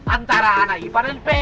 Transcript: antara anak ibadah dan ps